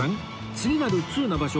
次なる通な場所